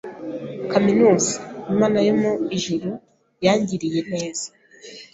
kaminuza Imana yo mu ijuru yangiriye neza